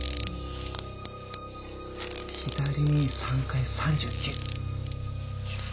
左に３回３９。